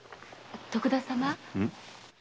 徳田様。